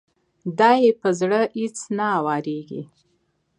دا يې په زړه اېڅ نه اوارېږي.